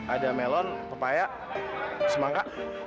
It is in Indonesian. ada melon pepaya semangka